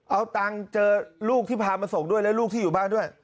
เอาตังค์เจอลูกที่พามาส่งด้วยและลูกที่อยู่บ้านด้วย